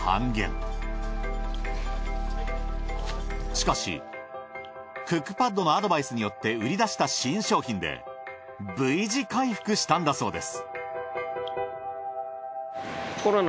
しかしクックパッドのアドバイスによって売り出した新商品でＶ字回復したんだそうです。